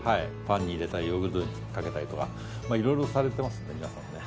パンに入れたりヨーグルトにかけたりとか色々されてますね皆さんね。